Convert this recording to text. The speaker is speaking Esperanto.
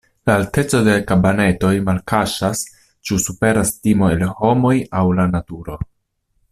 La alteco de kabanetoj malkaŝas, ĉu superas timo el homoj aŭ la naturo.